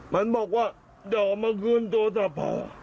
มันบอกว่าเดอะมาคืนตัวตัวพอ